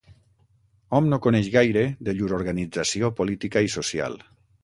Hom no coneix gaire de llur organització política i social.